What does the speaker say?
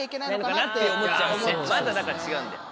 まだだから違うんだよ。